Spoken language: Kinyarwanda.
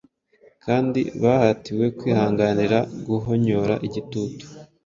Kandi bahatiwe kwihanganira guhonyora igitugu